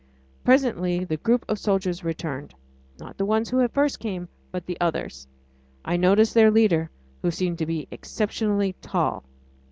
Presently the group of soldiers returned, not the ones who had first come, but the others. I noticed their leader, who seemed to be exceptionally tall.